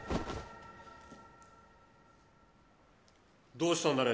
どうしたんだね田中君？